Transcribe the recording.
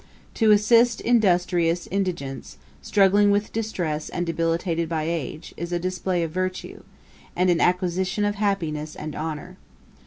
To assist industrious indigence, struggling with distress and debilitated by age, is a display of virtue, and an acquisition of happiness and honour.